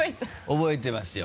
覚えてますよ。